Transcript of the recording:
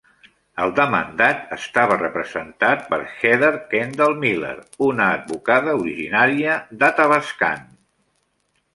El demandat estava representat per Heather Kendall-Miller, una advocada originària d'Athabascan.